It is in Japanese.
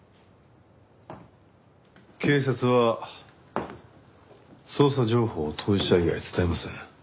警察は捜査情報を当事者以外伝えません。